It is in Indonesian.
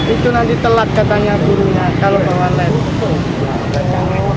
itu nanti telat katanya gurunya kalau bawa motor